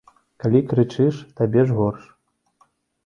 Калі крычыш, табе ж горш.